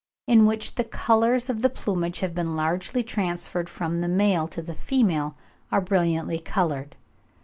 in which the colours of the plumage have been largely transferred from the male to the female, are brilliantly coloured.